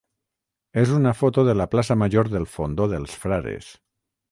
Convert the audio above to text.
és una foto de la plaça major del Fondó dels Frares.